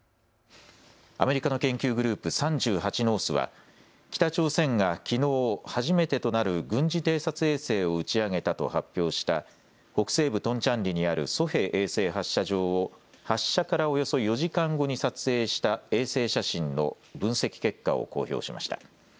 アメリカの研究グループ、３８ノースは北朝鮮がきのう初めてとなる軍事偵察衛星を打ち上げたと発表した北西部トンチャンリにあるソヘ衛星発射場を発射からおよそ４時間後に撮影した衛星写真の分析結果を公表しました。